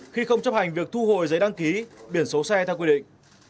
khi không chấp hành việc thu hồi giấy đăng ký biển số xe theo quy định